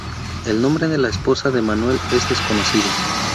El nombre de la esposa de Manuel es desconocido.